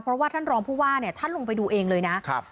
เพราะว่าท่านรองผู้ว่าท่านลงไปดูเองเลยนะ